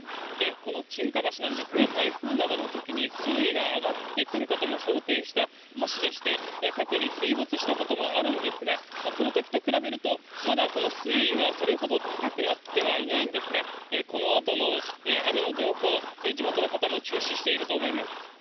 このちんか橋なんですが、台風などのときに水位が上がってくることも想定した橋でして、過去に水没したこともあるんですが、そのときと比べると、まだその水位はそれほど高くなってはいないんですが、このあとの雨の動向、地元の方も注視していると思います。